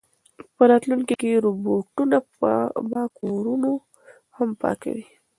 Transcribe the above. په راتلونکي کې روبوټونه به کورونه هم پاکوي.